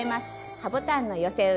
ハボタンの寄せ植え